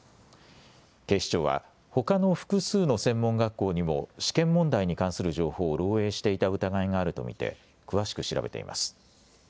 警視庁はほかの複数の専門学校にも試験問題に関する情報を漏えいしていた疑いがあると見て詳しく調べています。